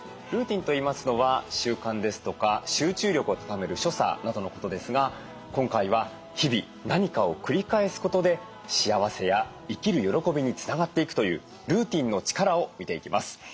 ルーティンといいますのは習慣ですとか集中力を高める所作などのことですが今回は日々何かを繰り返すことで幸せや生きる喜びにつながっていくというルーティンの力を見ていきます。